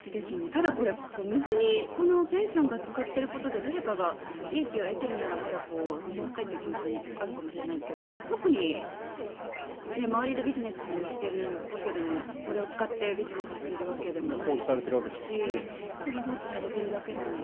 ただ、これ、水にペンションが使っていることで誰かが利益を得てるならまだ保存したい気持ちもあるかもしれないですが特に周りでビジネスしてるわけてもこれを使ってビジネスしてるわけでもないでしょうしただ放置されているだけなので。